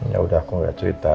ya udah aku gak cerita